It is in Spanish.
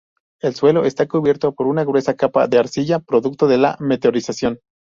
El suelo está cubierto por una gruesa capa de arcilla, producto de la meteorización.